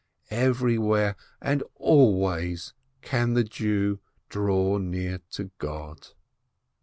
Everywhere and always can the Jew draw near to God